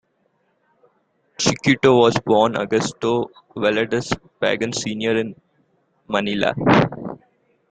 Chiquito was born Augusto Valdes Pangan, Senior in Manila.